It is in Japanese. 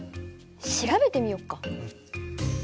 調べてみよっか。